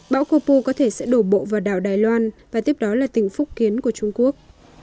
bão copu có thể sẽ đổ bộ vào đảo đài loan và tiếp đó là tỉnh phúc kiến của trung quốc